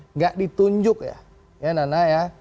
nggak ditunjuk ya nana ya